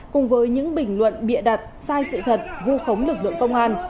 cùng với những bình luận bịa đặt sai sự thật vu khống lực lượng công an